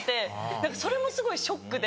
何かそれもすごいショックで。